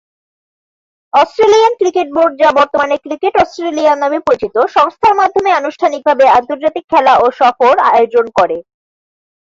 Australian cricket board যা বর্তমানে cricket Australia নামে পরিচিত সংস্থার মাধ্যমে আনুষ্ঠানিকভাবে আন্তর্জাতিক খেলা ও সফর আয়োজন করে।